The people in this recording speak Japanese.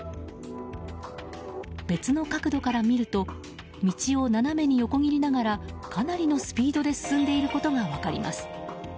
別の角度から見ると道を斜めに横切りながらかなりのスピードで進んでいることが分かります。